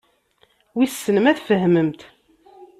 Wissen ma tfehmemt.